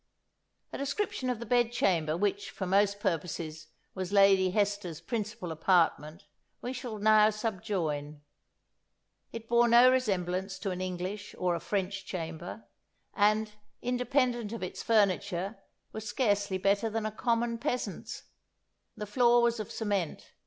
A description of the bedchamber, which, for most purposes, was Lady Hester's principal apartment, we shall now subjoin. It bore no resemblance to an English or a French chamber, and, independent of its furniture, was scarcely better than a common peasant's. The floor was of cement.